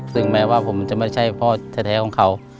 ซึ่งแม้ว่าผมจะไม่ใช่พ่อแท้ของเขา